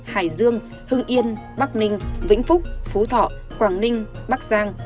hải dương hưng yên bắc ninh vĩnh phúc phú thọ quảng ninh bắc giang